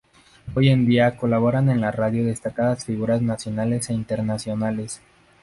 Hoy en día colaboran en la radio destacadas figuras nacionales e internacionales.